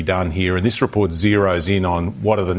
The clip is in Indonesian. dan laporan ini tidak menunjukkan apa yang akan dilakukan